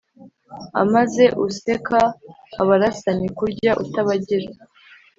amaze useka abarasanyi kurya utabagira,